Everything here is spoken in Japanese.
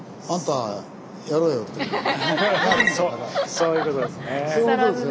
そういうことですね。